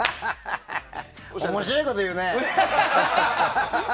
面白いこと言うね。